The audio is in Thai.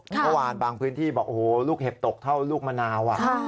เมื่อวานบางพื้นที่บอกโอ้โหลูกเห็บตกเท่าลูกมะนาว